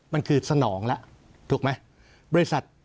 มันคือสนองแล้วถูกไหม